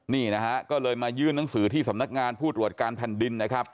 นี่นะฮะก็เลยมายื่นหนังสือที่สำนักงานผู้ตรวจการแผ่นดินนะครับ